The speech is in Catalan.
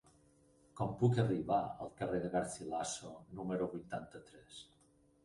Com puc arribar al carrer de Garcilaso número vuitanta-tres?